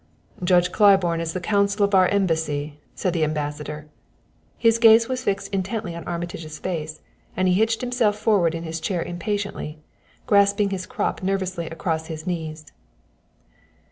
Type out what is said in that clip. "Judge Claiborne is the counsel of our embassy," said the Ambassador. His gaze was fixed intently on Armitage's face, and he hitched himself forward in his chair impatiently, grasping his crop nervously across his knees.